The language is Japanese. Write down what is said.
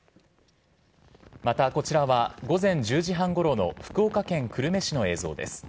また、こちらは午前１０時半ごろの福岡県久留米市の映像です。